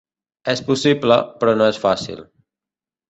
És possible, però no és fàcil.